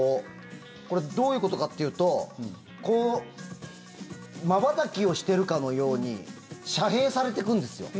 どういうことかっていうとまばたきをしているかのように遮へいされていくんですよ。